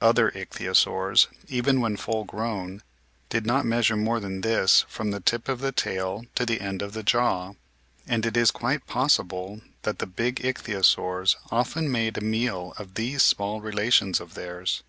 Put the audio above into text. Other Ichthyosaurs, even when full grown, did not measure more than this from the tip of the tail to the end of the jaw, and it is quite possible DESPOTS OF THE SEAS 67 that the big Ichthyosaurs often made a meal of these small relations of theirs.